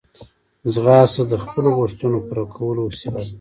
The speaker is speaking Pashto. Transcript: ځغاسته د خپلو غوښتنو پوره کولو وسیله ده